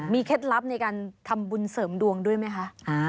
เคล็ดลับในการทำบุญเสริมดวงด้วยไหมคะ